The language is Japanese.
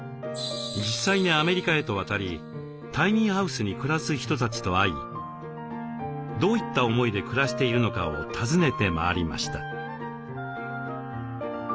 実際にアメリカへと渡りタイニーハウスに暮らす人たちと会いどういった思いで暮らしているのかを尋ねて回りました。